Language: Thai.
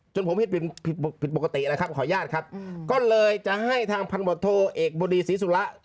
ผมผิดผิดปกติแล้วครับขออนุญาตครับก็เลยจะให้ทางพันบทโทเอกบดีศรีสุระ